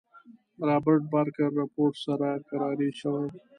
رابرټ بارکر رپوټ سره کراري شوې.